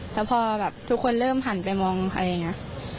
แล้วพอแบบทุกคนเริ่มหันไปมองอะไรอย่างนี้